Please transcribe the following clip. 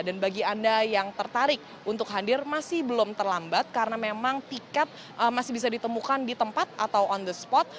dan bagi anda yang tertarik untuk hadir masih belum terlambat karena memang tiket masih bisa ditemukan di tempat atau on the spot